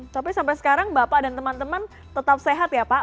tapi sampai sekarang bapak dan teman teman tetap sehat ya pak